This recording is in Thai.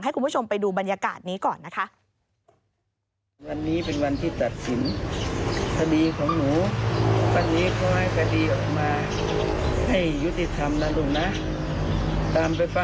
คุณผู้ชมไปดูบรรยากาศนี้ก่อนนะคะ